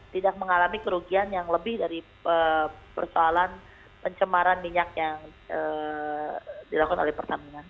tidak mengalami kerugian yang lebih dari persoalan pencemaran minyak yang dilakukan oleh pertamina